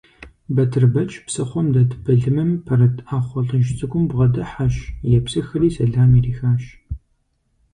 Батырбэч псыхъуэм дэт былымым пэрыт Ӏэхъуэ лӀыжь цӀыкӀум бгъэдыхьэщ, епсыхри сэлам ирихащ.